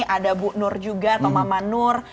ada bu nur juga atau mama nur